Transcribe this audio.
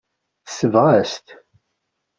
Tesbeɣ-as-t.